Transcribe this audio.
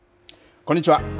こんにちは。